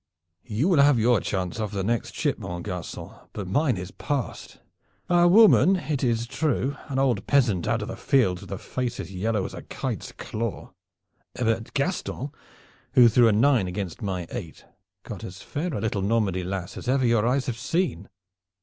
"You will have your chance off the next ship, mon garcon, but mine is passed. A woman, it is true an old peasant out of the fields, with a face as yellow as a kite's claw. But Gaston, who threw a nine against my eight, got as fair a little Normandy lass as ever your eyes have seen.